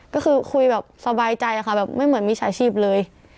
ก็คือคุยแบบสบายใจค่ะแบบไม่เหมือนมิจฉาชีพเลย